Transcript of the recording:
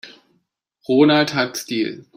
Ronald hat Stil.